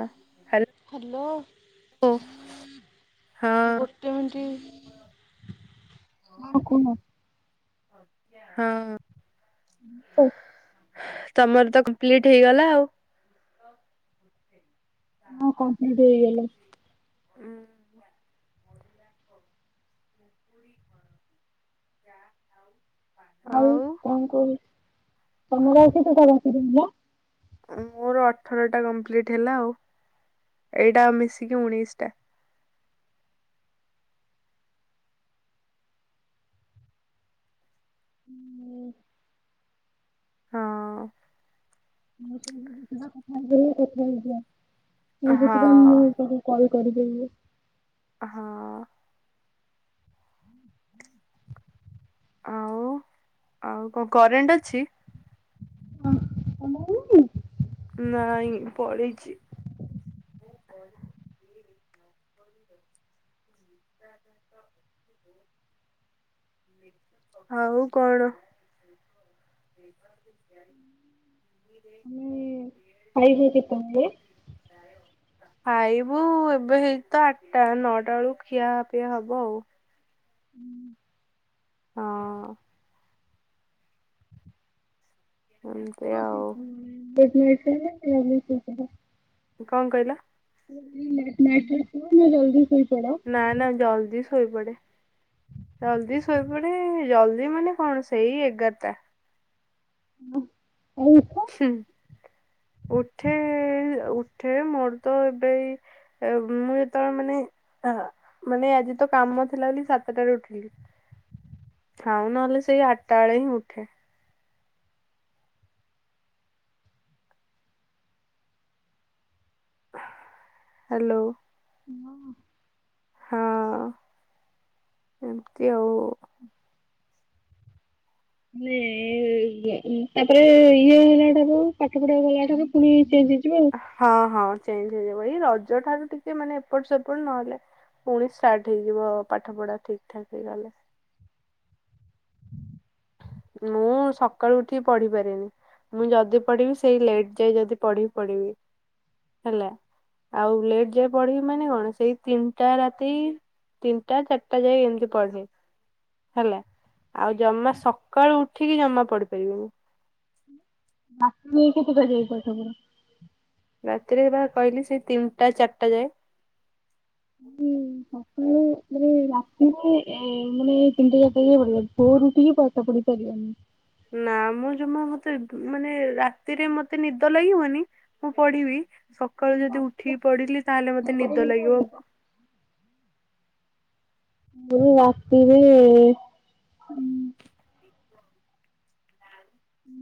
Hello hello. ହଁ ଗୋ [inaudible] ହଁ! ଓ ତମର୍ ତ କମ୍ପ୍ଲିଟ୍ ହେଇଗଲା ଆଉ। ହଁ! କମ୍ପ୍ଲିଟ୍ ହେଇଗଲା। [inaudible] ଆଉ ତମର ଆଉ କେତଟା ବାକି ରହିଲା? ମୋର ଅଠରଟା କମ୍ପ୍ଲିଟ୍ ହେଲା ଆଉ, ଏଇଟା ଆଉ ମିଶିକି ଉଣେଇଶ୍ ଟା। ହଁ! କଥା ହଁ [inaudible] ହଁ! ଆଉ, ଆଉ କ--କରେଣ୍ଟ୍ ଅଛି? [inaudible] ନାଇଁ, ପଳେଇଚି। [inaudible] ଆଉ କଣ? [inaudible] ହିରେ ଆମେ [unintelligible] ଖାଇବୁ ଏବେ ହେଇ ତ ଆଠଟା ନଅଟା ବେଳକୁ ଖିଆ ପିଇଆ ହବ ଆଉ। ହଁ-ଅ-ଅ-ଅ, ହୁଁ [unintelligible] କଣ କହିଲ? [unintelligible] ଲେଟ୍ ନାଇଟ୍ ରେ ଶୁଅ ନା ଜଲଦି ଶୋଇପଡ଼? ନା, ନା ଜଲଦି ଶୋଇପଡେ, ଜଲଦି ଶୋଇପଡେ ଜଲଦି ମାନେ କଣ ସେଇ ଏଗାର୍ ଟା। [unintelligible] ହୁଁ, ଉଠେ-ଏ-ଏ-ଏ ଉଠେ ମୋର ତ ଏବେ ଏଇ ଏ ମୁଁ ଏ ତର ମାନେ ଅ ମାନେ ଆଜି ତ କାମ ଥିଲା ବୋଲି ସାତଟାରେ ଉଠିଲି। ଥାଉ ନହେଲେ ସେଇ ଆଠଟା ବେଳେ ହିଁ ଉଠେ। ହ ହ୍ୟାଲୋ, ହଁ। ହଁ, ଏମତି ଆଉ। ନେ-ଏ-ଏ-ଏ ଇ ଏ ତାପରେ ଇଏ ହେଲା ଠାରୁ ପାଠ ପଢା ଗଲା ଠାରୁ ପୁଣି ଚେଞ୍ଜ ହେଇଯିବ। ଆଉ। ହଁ, ହଁ ଚେଞ୍ଜ ହେଇଯିବ ଏଇ ରଜ ଠାରୁ ଟିକେ ମାନେ ଏପଟ ସେପଟ ନହେଲେ ପୁଣି ଷ୍ଟାର୍ଟ ହେଇଯିବ ପାଠ ପଢା ଠିକ୍ ଠାକ ହେଇଗଲେ। ମୁଁ ସକାଳୁ ଉଠିକି ପଢି ପାରେନି। ମୁଁ ଯଦି ପଢିବି ସେଇ ଲେଟ ଯାଏ ଯଦି ପଢିବି ପଢିବି ହେଲା। ଆଉ ଲେଟ୍ ଯାଏ ପଢିବି ମାନେ କଣ ସେଇ ତିନିଟା ରାତି। ତିନିଟା ଚାରିଟା ଯାଏ ଏମିତି ପଢେ। ହେଲା, ଆଉ ଜମା ସକାଳୁ ଉଠିକି ଜମା ପଡି ପାରିବିନି। ରାତିରେ କେତେଟା ଯାଏ ପାଠ ପଢ଼? ରାତିରେ ବା କହିଲି ସେଇ ତିନିଟା ଚାରିଟା ଯାଏ। ହୁଁ, [unintelligible] ଆକଚୁଇଲି ଏ-ଏ-ଏ ମାନେ ତିନିଟା ଚାରିଟା ଯାଏ ପଢ଼ି ପାରିବି ଭୋଅରୁ ଉଠିକି ପାଠ ପଢ଼ି ପାରିବିନି। ନା, ମୁଁ ଜମା ମତେ ମାନେ ରାତିରେ ମତେ ନିଦ ଲାଗିବନି ମୁଁ ପଢିବି ସକାଳୁ ଯଦି ଉଠିକି ପଢିଲି ତାହେଲେ ମତେ ମୋର ନିଦ କିନ୍ତୁ ଲାଗିବ। ଓଲଟା। ମୁଁ ରାତିରେ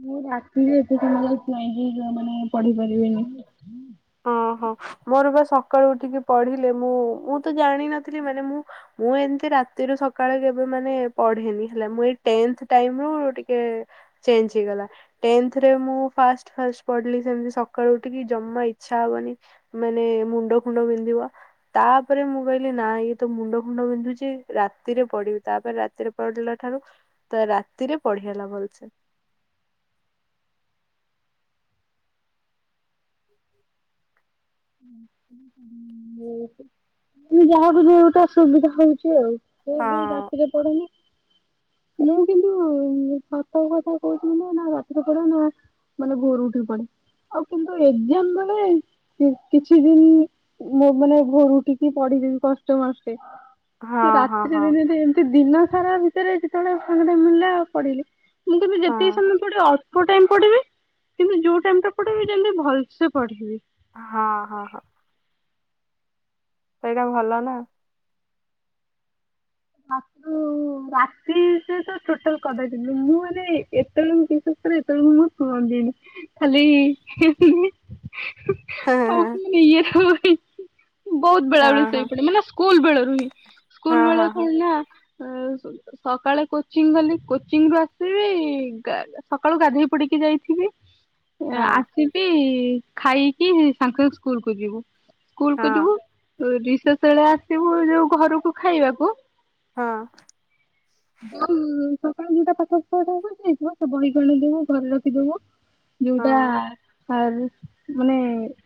ମୁଁ ରାତିରେ ଏତେ ସମୟ ଯାଏ ଚେଇକି ମାନେ ପଢ଼ି ପାରିବିନି। ଓହୋ, ମୋର ବା ସକାଳୁ ଉଠିକି ପଢିଲେ ମୁଁ, ମୁଁ ତ ଜାଣିନଥିଲି ମାନେ ମୁଁ ମୁଁ ଏମତି ରାତିରୁ ସକାଳେ କେବେ ମାନେ ପଢେନି ହେଲା, ଏଇ ଟେନ୍ଥ ଟାଇମ ରୁ ଟିକେ-ଏ-ଏ ଚେଞ୍ଜ ହେଇଗଲା ଟେନଥ୍ ରେମୁ ଫାଷ୍ଟ ଫାଷ୍ଟ ପଢିଲି ସେମତି ସକାଳୁ ଉଠିକି ଜମା ଇଚ୍ଛା ହବନି ମାନେ ମୁଣ୍ଡ ଫୁଣ୍ଡ ବିନ୍ଧିବ। ତାପରେ ମୁଁ କହିଲି ନା ଇଏ ତ ମୁଣ୍ଡ ଫୁଣ୍ଡ ବିନ୍ଧୁଛି ରାତିରେ ପଡିବି ତାପରେ ରାତିରେ ପଡିଲା ଠାରୁ ତ ରାତିରେ ପଢି ହେଲା ବଲସେ। ଯାହାକୁ ଯଉଟା ସୁବିଧା ହଉଛି ଆଉ। ସେ ବି ହଁ ରାତିରେ ପଡୁନି। ମୁଁ କିନ୍ତୁ-ଉ-ଉ-ଉ ସତ କଥା କହୁଚି ମୁଁ ନା ରାତିରେ ପଢ଼େ ନା ମାନେ ଭୋରୁ ଉଠିକି ପଡେ ଆଉ କିନ୍ତୁ ଏକ୍ଜାମ ବେଳେ କିଛି ଦିନ ମୋ ମାନେ ଭୋରୁ ଉଠିକି ପଡିିଦେମି କଷ୍ଟେ ମଷ୍ଟେ ହଁ ତ ହଁ ରାତ୍ରି ହଁ ଦିନ ତ ଏମିତି ଦିନ ସାରା ଭିତରେ ଯେତେବେଳେ ସାଙ୍ଗଟେ ମିଳିଲେ ଆଉ ପଡିଲି। ମୁଁ କିନ୍ତୁ ହଁ ଯେତିକି ସମୟ ପଡିବି ଅ ଟାଇମ ପଢିବି କିନ୍ତୁ ଯୋଉ ଟାଇମଟା ପଢ଼ିବି ଯେମିତ ଭଲସେ ପଢିବି। ହଁ ହଁ ହଁ। ସେଇଟା ଭଲ ନା। ଶାଶୁ ରାତି ସେତ ଛୋଟରୁ କରିଦେଇଛନ୍ତି, ମୁଁ ମାନେ ଏତେବେଳେ କିନ୍ତୁ ଏତେବେଳୁ [unintelligible] ହ, ଦିନ ଖାଲି ହିଁ ହିଁ ହଁ ହଁ ହିଁ ହିଁ [unintelligible] ବହୁତ ବେଳେ ବେଳି ହଁ ଶୋଇପଡେ ମାନେ ସ୍କୁଲ ବେଳରୁ ହିଁ ସ୍କୁଲ ବେଳେ ହଁ ହଁ କଣନା ଆଁ ସକାଳେ କୋଚିଂ ଗଲି କୋଚିଂ ରୁ ଆସିବି ଗା ସକାଳୁ ଗାଧେଇ ପଡିକି ଯାଇଥିବି। ଆଁ ହଁ ଆସିବି ଖାଇକି ସାଙ୍ଗ ସାଙ୍ଗେ ସ୍କୁଲକୁ ଯିବୁ। ସ୍କୁଲକୁ ହଁ ଯିବୁ ରିସେଷ ବେଳେ ଆସିବୁ ଯୋଉ ଘରକୁ ଖାଇବାକୁ ହଁ। ଯଉ ସକାଳୁ ଦିଟା ପାଠ [unintelligible] ଯାଇଥିବ ସେ ବହିଖଣ୍ଡ ଦେବୁ ଘରେ ରଖିଦେବୁ। ଯଉଟା ହଁ ଆର ମାନେ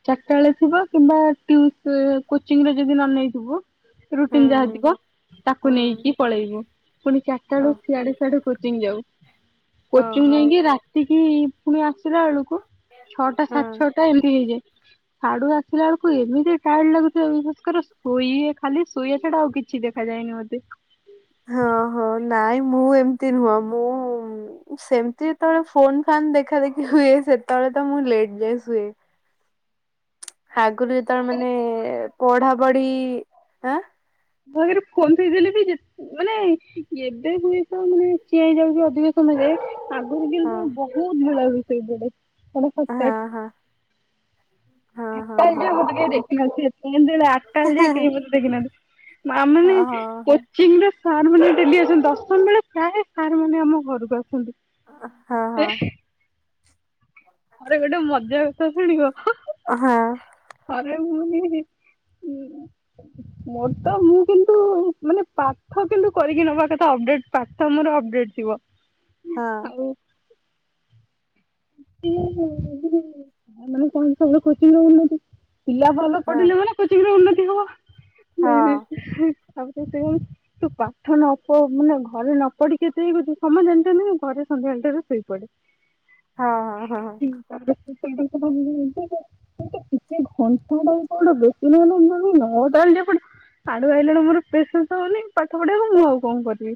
ଚାରିଟା ବେଳେ ଥିବ କିମ୍ବା ଟିୟୁ ସେ କୋଚିଂରେ ଯଦି ନ ନେଇଥିବ ହୁଁ ରୁଟିନ ଯାହା ହୁଁ ଥିବ ତାକୁ ହୁଁ ନେଇକି ପଳେଇବ। ପୁଣି ଚାରିଟାରୁ ଓ ସିଆଡେ ସିଆଢୁ କୋଚିଂ ଯାଉ କୋଚିଂ ଓହୋ ଯାଇକି ରାତିକି ପୁଣି ଆସିଲା ବେଳକୁ ଛଅଟା ହଁ ସାଢ଼େ ଛଅଟା ଏମିତି ହେଇଯାଏ। ସାଡୁ ଆସିଲା ବେଳକୁ ଏମିତି ଟାଇଡା ଲାଗୁଥିବ ବିଶ୍ୱାସ କର ଶୋଇଏ ଖାଲି ଶୋଇବା ଛଡା ଆଉ କିଛି ଦେଖା ଯାଏନି ମୋତେ। ହଁ ହଁ ନାଇଁ ମୁଁ ଏମତି ନୁହଁ ମୁଁ ସେମିତି ଯେତେବେଳେ ଫୋନ ଫାନ୍ ଦେଖା ଦେଖି ହୁଏ ସେତେବେଳେ ତ ମୁଁ ଲେଟ ଯାଏ ଶୁଏ। ଆଗୁରୁ ଯତେଳେ ମାନେ ପଢାପଢି ଆଁ ମୋ ଆଗରେ ଫୋନ ଥୋଇ ଦେଲେ ବି ଯା ମାନେ ଏବେ କୁଇଷ ମାନେ ଚିଆଇ ଯାଉଛି ଅଧିକ ସମୟ ଯାଏ। ଆଗରୁ କିନ୍ତୁ ବହୁତ ଭଲ ରୋଷେଇ ପଡ଼େ, ବଡ ହଁ [unintelligible] ହଁ [unintelligible] ହଁ ହଁ ମତେ ହଁ କେହି ଦେଖିନଥିବେ ଯେମିତି ଆଠଟା ହେଇଯାଏ କେହି ମତେ ଦେଖି ନାହାନ୍ତି। ଆ ମାନେ ହଁ କୋ ଚିଙ୍ଗରେ ସାର୍ ମାନେ ଡେଲି ଆସନ୍ତି ଦଶମ ବେଳେ ପ୍ରାୟ ସାର୍ ମାନେ ଆମ ଘରକୁ ଆସନ୍ତି। ଆ ହଁ ହଁ। ଆରେ ଗୋଟେ ମଜା କଥା ଶୁଣିବ ହାଁ ହାଁ। ହଁ ହଁ ଘରେ ମୁନି ଉଁ ହଁ ମୋର ତ ମୁଁ କିନ୍ତୁ ମାନେ ପାଠ କିନ୍ତୁ କରିକି ନବା କଥା ଅପଡେଟ ପାଠ ମୋର ଅପଡେଟ ଥିବ। ହଁ। ଆଉ ସିଏ ମାନେ କଣ ସବ କୋଚି ନଉଚନ୍ତି। ପିଲା ଭଲ ହଁ ହଁ ହଁ ପଢିଲେ ମାନେ କୋଚିର ଉନ୍ନତି ହବ ଉଁ [unintelligible] ତୁ ପାଠ ନ ପ ମାନେ ଘରେ ନ ପଢିକି କେତେ ହେଇଛୁ ସମୟ ଜାଣିଚନ୍ତି ଘରେ ସନ୍ଧ୍ୟାବେଳ ଟାରେ ଶୋଇପଡେ। ହଁ ହଁ ହଁ। [unintelligible] ସେଟା ଟିକେ ଘଣ୍ଟାଟା କୁ ବେଶ ନହେଲେ ନଅଟା ହେଲେ ପ ସାଡୁ ଆଇଲା ବେଳୁ ମୋର ପେସେନ୍ସ ହଉନି ପାଠ ପଢିବାକୁ ମୁଁ ଆଉ କଣ କରିବି?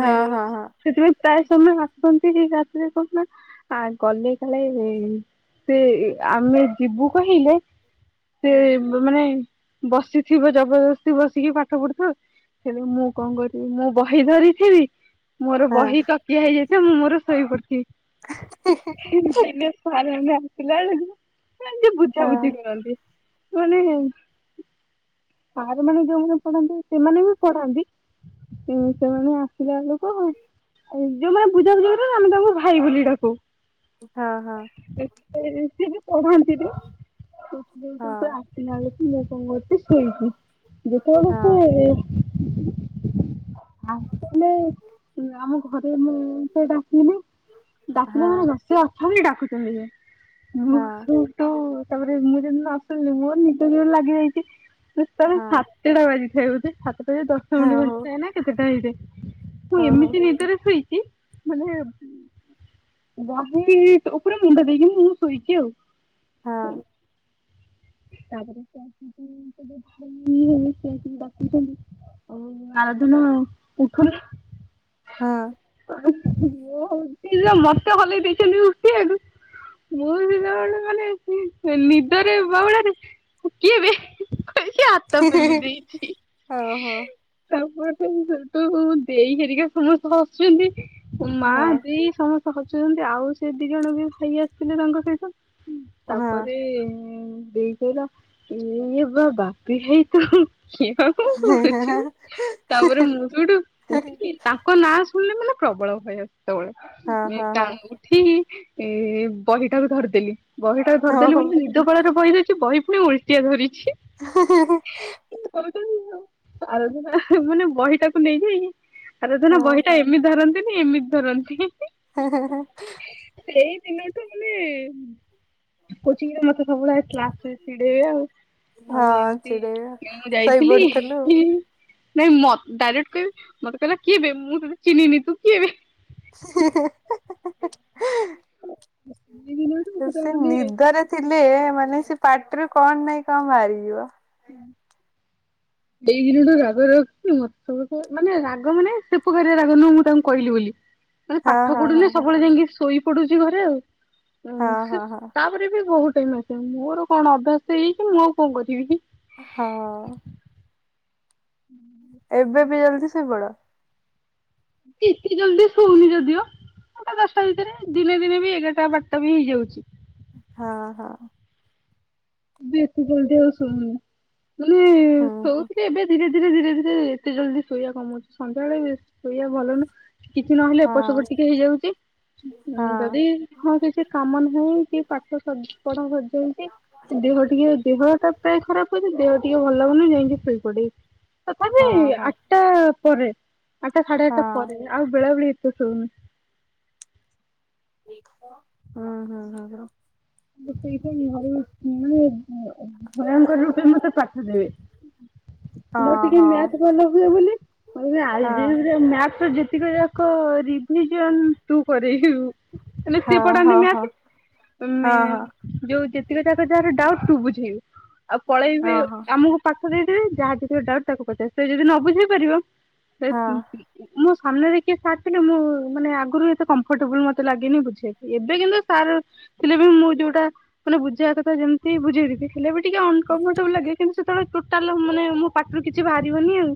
ଉଁ ହଁ ହଁ ସେଥିପାଇଁ ପ୍ରାୟ ସମୟ ଆସନ୍ତି ଏଇ ରାତିରେ କଣ ନା ଆ ଗଲେ କାଳେ ସେ ଆମେ ଯିବୁ କହିଲେ ସେ ହଁ ମାନେ ବସିଥିବ ଜବରଦସ୍ତି ବସିକି ପାଠ ପଢୁଥିବେ ହେଲେ ମୁଁ କଣ କରିବି ମୁଁ ବହି ଧରିଥିବି ମୋର ହଁ ବହି ତକିଆ ହେଇଯାଇଥିବ ମୁଁ ମୋର ଶୋଇ ପଡିଥିବି। ଦିନେ [unintelligible] ଆସିଲା ବେଳକୁ ସେ ଏମିତି ବୁଝା ବୁଝି କରନ୍ତି। ସେ ମାନେ ସାର୍ ମାନେ ଯୋଉମାନେ ପଢାନ୍ତି ସେମାନେ ବି ପଢାନ୍ତି? ଉଁ ସେ ମାନେ ଆସିଲା ବେଳକୁ ଯୋଉମାନେ ବୁଝା ବୁଝି କରନ୍ତି ଆମେ ତାଙ୍କୁ ଭାଇ ବୋଲି ଡାକୁ। ହଁ ହଁ। [unintelligible] ସେ ବି ପଢ଼ାନ୍ତି ବି। [unintelligible] ଦେଖିଲା ବେଳକୁ ଇଏ କଣ କରୁଚି ଶୋଇଚି। ଶୋଇଛିି ଯେତେବେଳେ ସେ। [unintelligible] ଥରେ ମୁଁ ତ ଡାକିଲି ପିଲାମାନେ [unintelligible] ଡାକୁଛନ୍ତି ଯେ। ମୁଁ ତୁ ତ ତାପରେ ମୁଁ ଯେମିତି ନଶୁଣିଲି ମୋର ନିଦ ଜୋରେ ଲାଗିଯାଇଚି। ସେତେବେଳେ ସା କେଇଟା ବାଜିଚି ଖାଇବ ସେ ସାତ ଦଶ ମିନିଟ [unintelligible] କେତେଟା ହେଇଯାଏ। ମୁଁ ଏମିତି ନିଦରେ ଶୋଇଚି ମାନେ ବହି ଉପରେ ମୁଣ୍ଡ ଦେଇକି ମୁଁ ଶୋଇଚି ଆଉ। ହଁ। ତାପରେ ସେ ଆସିକି ସେ ଯୋଉ ଭାଇ ହେବେ ସେ ଆସିକି ବସିଛନ୍ତି। ଆଉ ଆରାଧନା ଉଠୁନ। ହଁ। [unintelligible] ମତେ ହଲେଇ ଦେଇଛନ୍ତି ଉଠିବାକୁ ମୁଁ ସେତେବେଳେ ମାନେ ସେ ନିଦରେ [unintelligible] କିଏ ବେ କହିକି ହାତ ପେଲି ଦେଇଚି। ତାପରଠୁ ସେଠୁ ଦେଈ ହେରିକା ସମସ୍ତେ ହସୁଛନ୍ତି। ମା ଦେଈ ସମସ୍ତେ ହସୁଛନ୍ତି। ଆଉ ସେ ଦି ଜଣ ବି ଭାଇ ଆସିଥିଲେ ତାଙ୍କ ସହିତ। ହୁଁ, ତାପରେ ଦେଇ କହିଲା ଇଏ ବା ବାପି ଭାଇ ତ କି [unintelligible] ତାପରେ ମୁଁ ସେଉଠୁ ଉଠିକି ତାଙ୍କ ନାଁ ଶୁଣିଲେ ମାନେ ପ୍ରବଳ ଭୟ ସେତେବେଳେ। [unintelligible] ଉଠି ଏ ବହିଟାକୁ ଧରିଦେଲି। ବହିଟାକୁ ଧରିଦେଲି ବୋଲି ନିଦ ବାଉଳରେ ବହି ଧରି ଚି। ବହି ପୁଣି ଓଲଟିଆ ଧରିଚି। [inaudible] ଏମିତି କରୁଛନ୍ତି ଆଉ। ଆରଧନା ମାନେ ବହିଟାକୁ ନେଇଯାଇକି ଆରଧନା ବହିଟାକୁ ଏମିତି ଧରନ୍ତିନି ଏମିତି ଧରନ୍ତି। ହେଁ ହେଁ ହେଁ। ସେଇ ଦିନ ତୁ ମାନେ କୋଚିଂ ରେ ମତେ ସବୁବେଳେ ଆ କ୍ଲା ସ୍ ରେ ଚିଡେଇବେ ଆଉ। ଆଉ ହଁ ଏମିତି ଚିଡେଇବା ମୁଁ ଯାଇଥିଲି ଶୋଇପଡିଥିଲୁ। ନାଇଁ ମ ଡାଇରେକ୍ଟ କହିବେ ମତେ କହିଲ କିଏ ବେ ମୁଁ ତତେ ଚିହ୍ନିନି ତୁ କିଏ ବେ। ସେଇ ଦିନଠୁ ପୁରା ସେ ମାନେ ନିଦରେ ଥିଲେ ମାନେ ସେ ପାଟିରୁ କଣ ନାଇଁ କଣ ବାହାରିଯିବ। ଉଁ। ହ ସେଇ ଦିନଠୁ ରାଗ ରଖିଚୁ ମତେ ସମସ୍ତେ ରାଗ ମାନେ ସେ ପ୍ରକାରିଆ ରାଗ ନୁହଁ ମୁଁ ତାଙ୍କୁ କହିଲି ବୋଲି। ମାନେ ହଁ ପାଠ ହଁ ହଁ ପଢୁନି ସବୁବେଳେ ଯାଇକି ଶୋଇ ପଡୁଚି ଘରେ ଆଉ। ହଁ ସେ ହଁ ହଁ ତା ରେ ବି ବହୁତ ଟାଇମ ଆସିବ। ମୋର କଣ ଅଭ୍ୟାସ ହେଇଚି ମୁଁ ଆଉ କଣ କରିବି। ହଁ। [unintelligible] ଏବେ ବି ଜଲ୍ଦି ଶୋଇପଡ଼? ଏତେ ଜଲଦି ସୋଉନି ଯଦିଓ ସେଟା ଦଶଟା ଭିତରେ ଦିନେ ଦିନେ ବି ଏଗାରଟା ବାରଟା ବି ହେଇଯାଉଛି। ହଁ ହଁ। ବେଶୀ ଜଲଦି ଆଉ ଶୋଇବୁନି ମାନେ ହୁଁ ହୁଁ ଶୋଉଥିଲି ଏବେ ଧୀରେ ଧୀରେ ଧୀରେ ଧୀରେ ଏତେ ଜଲଦି ଶୋଇବା କମଉଛି ସନ୍ଧ୍ୟାବେଳେ ଶୋଇବା ଭଲନୁହଁ। କିଛି ନହେଲେ ଏପଟ ହଁ ସେପଟ ଟିକେ ହେଇଯାଉଛି। ହଁ ଯଦି ହଁ କିଛି କାମ ନାହଁ କି ପାଠପଢ଼ା ସରଯାଇଛି। ଦେହ ଟିକେ ଦେହଟା ପ୍ରାୟ ଖରାପ ହଉଛି ଦେହ ଟିକେ ଭଲ ଲାଗୁନି ଯାଇକି ଶୋଇ ପଡେ଼। ତଥାପି ହଁ ହଁ ହଁ। ଆଠଟା ପରେ ଆଠଟା ସାଢେ ଆଠଟା ପରେ ଆଉ ବେଳା ବେଳି ଏତେ ଶୋଉନି। ହୁଁ ହୁଁ ହଁ ହୁଁ। [unintelligible] ମୋର ହଁ ଟିକେ ହଁ ମ୍ୟାଥ ଭଲ ହୁଏ ବୋଲି ହଁ ଆଲଜେବ୍ରା ମ୍ୟାଥର ଯେତିକିଯାକ କ ରିଭିଜନ ତୁ କରେଇବୁ। ନ ହେନେ ସେ ହଁ ପଢ଼ାନ୍ତି ହଁ ହଁ। ମ୍ୟାଥ। ହଁ ହଁ ଯୋଉ ଯେତିକି ଯାକ ଯାହାର ଡାଉଟ ତୁ ବୁଝେଇବୁ ଆଉ ପଳେଇବେ ହଁ ଆମକୁ ତାକୁ ଦେଇଦେବେ ଯାହା ଯେତେକ ଡାଉଟ ତାକୁ ପଚାରିବ ଯଦି ସେ ନ ବୁଝେଇ ପାରିବ। ହଁ ହଁ [unintelligible] ମୁଁ ସାମ୍ନାରେ କିଏ ସାର୍ ଥିଲେ ମୁଁ ମାନେ ଆଗରୁ ଏତେ କମ୍ଫର୍ଟେବୁଲ ମତେ ଲାଗେନି ବୁଝେଇବାକୁ ଏବେ କିନ୍ତୁ ସାର୍ ଥିଲେ। ମୁଁ ଯୋଉଟା ମାନେ ବୁଝେଇବାକଥା ଯେମିତି ବୁଝେଇ ଦେବି ହେଲେ ବି ଟିକେ ଅନକମ୍ଫର୍ଟେବଲ ଲାଗେ କିନ୍ତୁ ବେଳେ ଟୋଟାଲ ମାନେ ମୋ ପାଟରୁ କିଛି ବାହାରିବନି ଆଉ।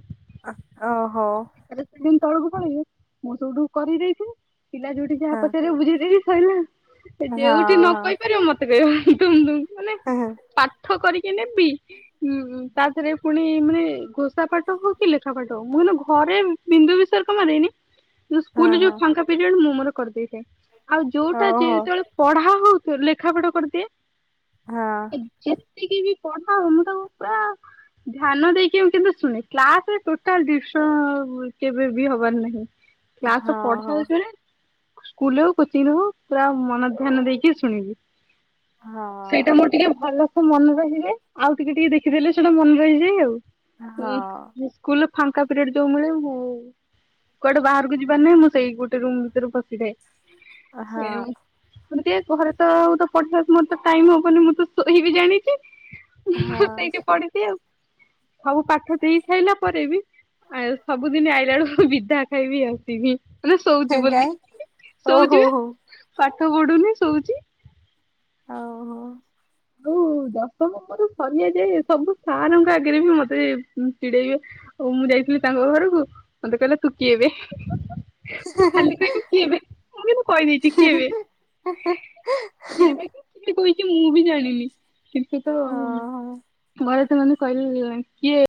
ଓହୋ। ତାଲେ ସେଦିନ ତଳକୁ ପଳେଇବେ ମୁଁ ସବୁଠୁ କରିଦେଇଥିବି ପିଲା ଯୋଉଠି ଯାହା ହଁ ପଚାରିବେ ବୁଝେଇଦେଇବି। କହିଲା ସେ ହଁ ଯୋଉଠି ନ ହଁ। କହିପାରିବ ମତେ କହିବା ତମ ମାନେ ହଁ ପାଠ କରିକି ନେବି ଉଁ ତା ଦେହରେ ପୁଣି ମାନେ ପୁଣି ସା ପାଠ ହଉ କି ଲେଖାପାଠ ହଉ ମୁଁ କହେଲେ ଘରେ ବିନ୍ଦୁ ବିସର୍ଗ ମାରେନି। ସ୍କୁଲ ଯୋଉ ହଁ ଫାଙ୍କା ପିରିଅଡ ମୁଁ ମୋର କରିଦେଇଥାଏ ଆଉ ଯୋଉଟା ହଁ ଓହୋ ଯେତେବେଳେ ପଢା ହଉ ଲେଖା ପଢା କରିଦିଏ। ହଁ। ଯେତିକି ବି ପଢା ମୁଁ ତାକୁ ପୁରା ଧ୍ୟାନ ଦେଇକି ମୁଁ କିନ୍ତୁ ଶୁଣେ କ୍ଲାସରେ ଟୋଟାଲ ଡିଷ୍ଟର୍ବ କେବେ ବି ହବାର ନାହିଁ। କ୍ଲାସରେ ହଁ ହଁ ପଢା ହଁ। ହଉଛି ମାନେ ସ୍କୁଲରେ ହଉ କୋଚିଂରେ ହଉ ପୁରା ମନଧ୍ୟାନ ଦେଇକି [unintelligible] ହଁ। ସେଇଟା ମୋର ଟିକେ ଭଲସେ ମନେ ରହିଲେ ଆଉ ଟିକେ ଟିକେ ଦେଖିଦେଲେ ସେଇଟା ମନେ ରହିଯାଏ ଆଉ। ଉଁ ସ୍କୁଲରେ ଫାଙ୍କା ପିରିଅଡ ଯଉ ମିଳେ ମୁଁ କୁଆଡେ ବାହାରକୁ ଯିବାର ନାଁଇ ମୁଁ ସେଇ ଗୋଟେ ରୁମ ଭିତରେ ହଁ ପଶିଥାାଏ। ହଁ [unintelligible] ତ ତ ପଠେଇବା ମୋର ତ ଟାଇମ ହବନି ମୁଁ ତ ଶୋଇବି ଜାଣିଛି। ମୁଁ ହଁ ସେଇଠି ପଢଛିି ଆଉ। ସବୁ ପାଠ ଦେଇ ସାଇଲା ପରେ ବି ଆଉ ସବୁଦିନ ଆଇଲାା ବେଳକୁ ବିଧା ଖାଇବି ଆସିବି ମାନେ ଶୋଉଛି ବୋଲି କାଇଁ ଓହୋ ଶୋଉଛି ବା। ହୋ ପାଠ ପଢୁନି ଶୋଉଛି। ହଉ ହଉ। ହଉ ଦଶମ ମୋର ସରିଆ ଯାଏ ସବୁ ସାରଙ୍କ ଆଗରେ ବି ମତେ ଚିଡେଇବେ। ଆଉ ମୁଁ ଯାଇଥିଲି ତାଙ୍କ ଘରକୁ ମତେ କହିଲା ତୁ କିଏ ବେ। ମୁଁ ଖାଲି କହିଲି କିଏ ବେ, ମୁଁ କିନ୍ତୁ କହିଦେଇଛି କିଏ ବେ। କିଏ ବେ କହିଛି ମୁଁ ବି ଜାଣି କିନ୍ତୁ ହଁ ହଁ। ତ ଘରେ ସେମାନେ କହିଲେ କିଏ?